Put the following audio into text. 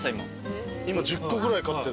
今１０個ぐらい買って。